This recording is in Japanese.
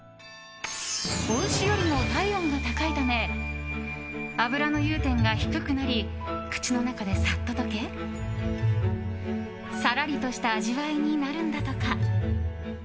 雄牛よりも体温が高いため脂の融点が低くなり口の中でさっと溶けさらりとした味わいになるんだとか。